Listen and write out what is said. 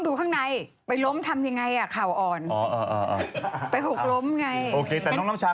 เธอบอกเฮ้ยห้องน้ำชายว่ะเมื่อกี้เธอบอกแบบ